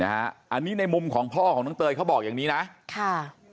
อันนี้ในมุมของพ่อของน้องเตยเขาบอกอย่างนี้นะค่ะ